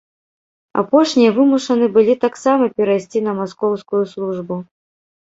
Апошнія вымушаны былі таксама перайсці на маскоўскую службу.